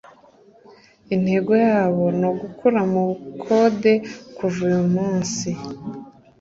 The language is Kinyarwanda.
Intego yabo nukugukura mubukode kuva uyu munsi